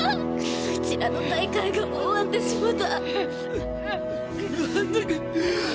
うちらの大会が終わってしもた。